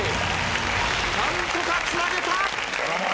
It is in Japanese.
何とかつなげた！